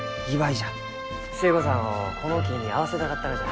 寿恵子さんをこの木に会わせたかったがじゃ。